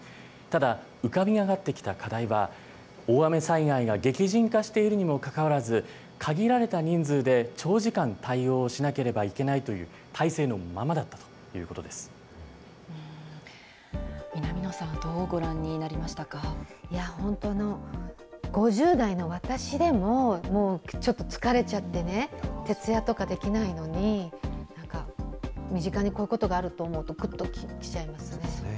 ただ、浮かび上がってきた課題は、大雨災害が激甚化しているにもかかわらず、限られた人数で長時間対応をしなければいけないという体制のまま南野さんはどうご覧になりま本当、５０代の私でも、もうちょっと、疲れちゃってね、徹夜とかできないのに、なんか、身近にこういうことがあると思うと、ぐっときちゃいますね。